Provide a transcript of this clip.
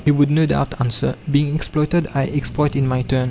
He would no doubt answer, "Being exploited, I exploit in my turn."